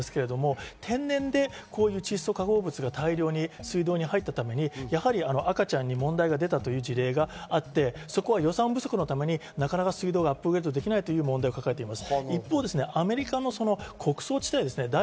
天然でこういう窒素化合物が大量に水道に入ったため、赤ちゃんに問題が出たという事例があって、そこは予算不足のためになかなか水道をアップグレードできないという問題を抱えています。